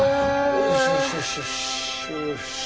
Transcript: よしよしよし。